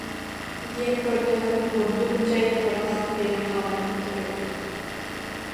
диэн көрдөһөн бурдук, чэй, табах биэрэн хаалларбыттара үһү